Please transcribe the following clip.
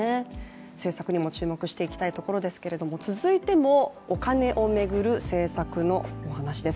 政策にも注目していきたいところですけれども続いてもお金を巡る政策のお話です。